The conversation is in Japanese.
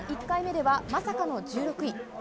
１回目ではまさかの１６位。